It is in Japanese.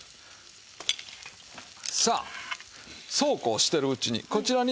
さあそうこうしてるうちにこちらに。